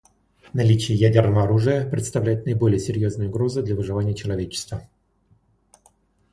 Наличие ядерного оружия представляет собой наиболее серьезную угрозу для выживания человечества.